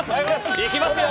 行きますよ。